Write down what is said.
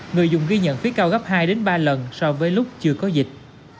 người dùng ghi nhận phí cao gấp hai đến ba lần so với lúc chưa có dịch